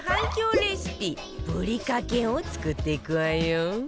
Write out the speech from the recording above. レシピぶりかけを作っていくわよ